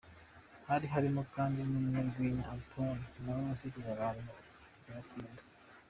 Hari harimo kandi n’umunyarwenya Atome, nawe wasekeje abantu biratinda.